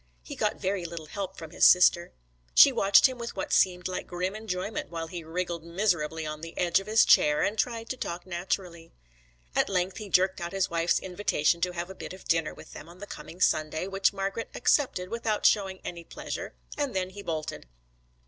He got very little help from his sister. She watched him with what seemed like grim enjoyment while he wriggled miserably on the edge of his chair and tried to talk naturally. At length he jerked out his wife's invitation to have a bit of dinner with them on the coming Sunday, which Margret accepted without showing any pleasure, and then he bolted.